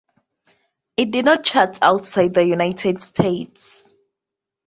It did not chart outside the United States.